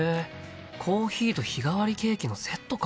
コーヒーと日替わりケーキのセットか。